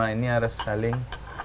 ini harus saling